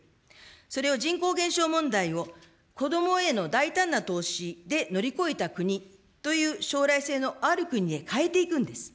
それを人口減少問題を、子どもへの大胆な投資で乗り越えた国という将来性のある国へ変えていくんです。